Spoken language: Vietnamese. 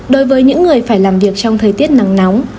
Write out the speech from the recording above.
đối với những người phải làm việc trong thời tiết nắng nóng